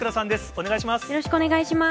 お願いします。